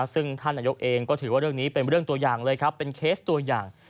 ซึ่งท่านนายกเองก็ถือว่าเรื่องนี้เป็นเรื่องตัวอย่างเลยครับเป็นเคสตัวอย่าง